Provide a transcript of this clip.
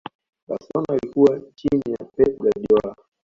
barcelona ilikuwa chini ya pep guardiola